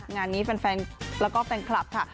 งานนี้แฟนแล้วก็แฟนคลับค่ะ